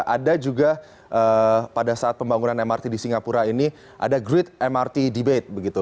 ada juga pada saat pembangunan mrt di singapura ini ada grid mrt debate begitu